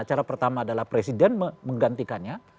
cara pertama adalah presiden menggantikannya